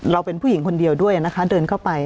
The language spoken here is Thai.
เป็นผู้หญิงคนเดียวด้วยนะคะเดินเข้าไป